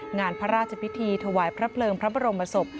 งานพระราชพิธีถวายพระเพลิงพระบรมศพ